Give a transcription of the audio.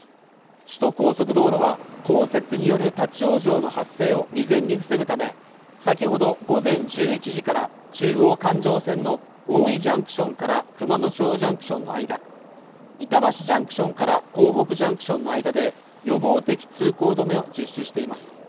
首都高速道路は降雪による立ち往生の発生を未然に防ぐため先ほど午前１１時から中央環状線の大井ジャンクションから熊野町ジャンクションの間板橋ジャンクションから江北ジャンクションの間で予防的通行止めを実施しています